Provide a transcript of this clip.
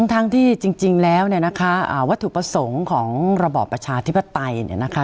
ทั้งที่จริงแล้วเนี่ยนะคะวัตถุประสงค์ของระบอบประชาธิปไตยนะคะ